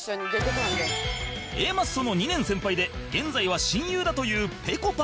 Ａ マッソの２年先輩で現在は親友だというぺこぱ